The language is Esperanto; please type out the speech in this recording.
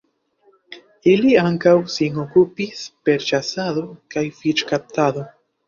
Ili ankaŭ sin okupis per ĉasado kaj fiŝkaptado.